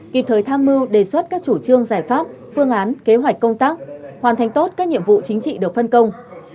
kịp thời tham mưu đề xuất các chủ trương giải pháp phương án kế hoạch công tác hoàn thành tốt các nhiệm vụ chính trị được phân công